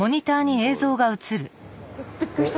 びっくりした！